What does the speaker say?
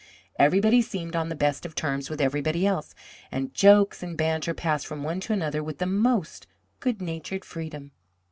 Everybody seemed on the best of terms with everybody else, and jokes and banter passed from one to another with the most good natured freedom.